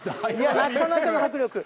なかなかの迫力。